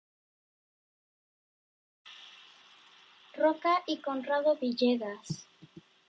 Roca y Conrado Villegas.